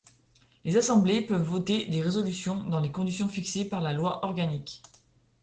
Les assemblées peuvent voter des résolutions dans les conditions fixées par la loi organique.